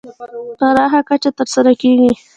پراخه کچه تر سره کېږي.